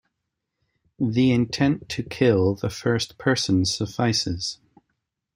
The intent to kill the first person suffices.